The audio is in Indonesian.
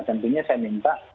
tentunya saya minta